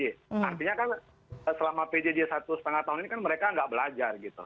artinya kan selama pjj satu setengah tahun ini kan mereka nggak belajar gitu